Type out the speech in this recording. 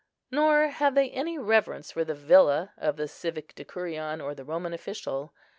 Nor have they any reverence for the villa of the civic decurion or the Roman official.